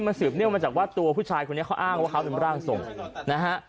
มันสืบเนื่องมาจากว่าตัวผู้ชายคนนี้เขาอ้างว่าเขาเป็นร่างทรงนะฮะ